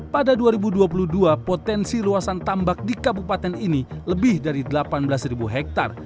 pada dua ribu dua puluh dua potensi luasan tambak di kabupaten ini lebih dari delapan belas hektare